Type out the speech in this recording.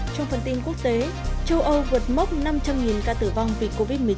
trong phần tin quốc tế châu âu vượt mốc năm trăm linh ca tử vong vì covid một mươi chín